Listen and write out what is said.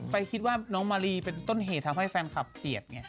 คิดว่าน้องมารีเป็นต้นเหตุทำให้แฟนคลับเสียดไง